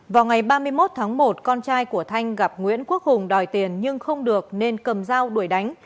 vào ngày ba mươi một tháng một con trai của thanh gặp nguyễn quốc hùng đòi tiền nhưng không được nên cầm dao đuổi đánh